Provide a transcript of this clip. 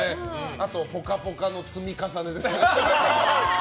あと「ぽかぽか」の積み重ねですね。